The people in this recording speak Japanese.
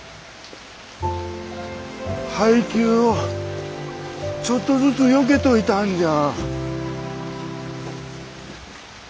配給をちょっとずつよけといたんじゃ。